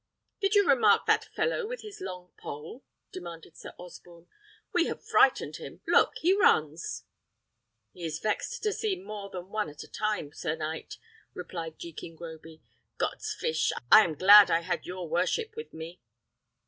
"Did you remark that fellow with his long pole?" demanded Sir Osborne. "We have frightened him: look, he runs!" "He is vexed to see more than one at a time, sir knight," replied Jekin Groby. "God's fish! I am glad I had your worship with me."